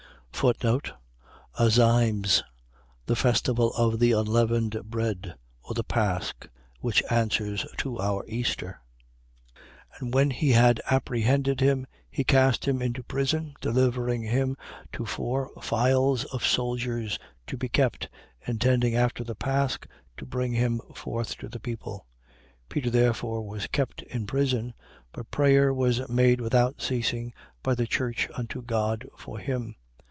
Azymes. . .The festival of the unleavened bread, or the pasch, which answers to our Easter. 12:4. And when he had apprehended him, he cast him into prison, delivering him to four files of soldiers, to be kept, intending, after the pasch, to bring him forth to the people. 12:5. Peter therefore was kept in prison. But prayer was made without ceasing by the church unto God for him.